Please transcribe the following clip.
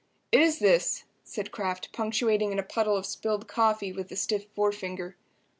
"It is this," said Kraft, punctuating in a puddle of spilled coffee with a stiff forefinger.